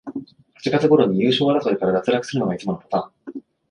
八月ごろに優勝争いから脱落するのがいつものパターン